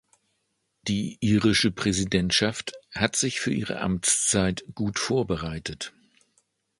Die irische Präsidentschaft hat sich für ihre Amtszeit gut vorbereitet.